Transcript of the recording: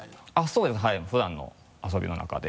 そうですはい普段の遊びの中で。